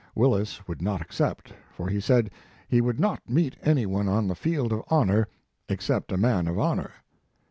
Willis would not accept, for he said he would not meet any one on the field of honor except a man of honor.